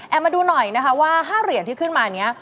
มาดูหน่อยนะคะว่า๕เหรียญที่ขึ้นมานี้